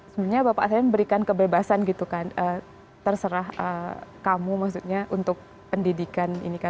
sebenarnya bapak saya memberikan kebebasan gitu kan terserah kamu maksudnya untuk pendidikan ini kan